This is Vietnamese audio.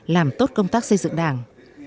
làm tốt công tác xây dựng đảng